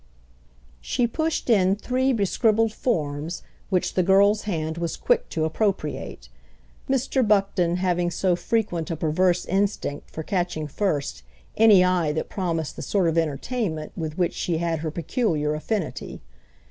She pushed in three bescribbled forms which the girl's hand was quick to appropriate, Mr. Buckton having so frequent a perverse instinct for catching first any eye that promised the sort of entertainment with which she had her peculiar affinity.